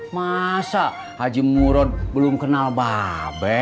masa haji murad belum kenal ba be